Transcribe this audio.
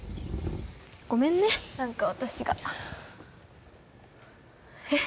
ごめんね何か私がえっ？